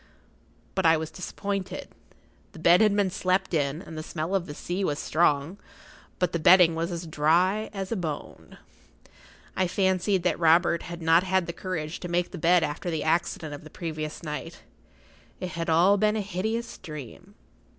But I was disappointed. The bed had been slept in, and the smell of the sea was strong; but the bedding was as dry as a bone. I fancied that Robert had not had the courage to make the bed after the accident of the previous night—it had all been a hideous dream.